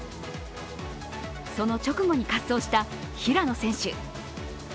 その直後に滑走した平野選手。